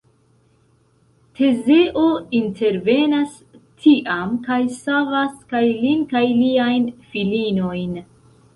Tezeo intervenas tiam kaj savas kaj lin kaj liajn filinojn.